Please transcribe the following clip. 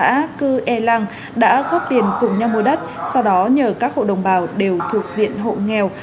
xã cư e lăng đã góp tiền cùng nhau mua đất sau đó nhờ các hộ đồng bào đều thuộc diện hộ nghèo